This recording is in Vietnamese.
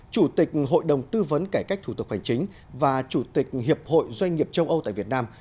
chủ tịch hội đồng tư vấn cải cách thủ tục hành chính và chủ tịch hiệp hội doanh nghiệp châu âu tại việt nam